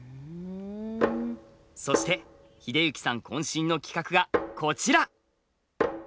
そして秀幸さん渾身の企画がこちら！